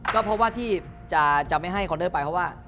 ก็เพราะว่าที่จะไม่ให้คอนเดอร์ไปเพราะว่า